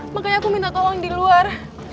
makanya aku minta tolong di luar